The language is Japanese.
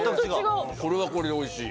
これはこれでおいしい。